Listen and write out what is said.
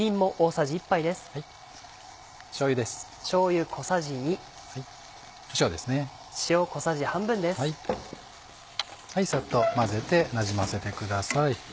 さっと混ぜてなじませてください。